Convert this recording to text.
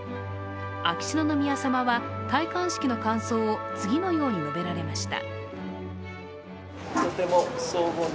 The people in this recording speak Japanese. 秋篠宮さまは戴冠式の感想を次のように述べられました。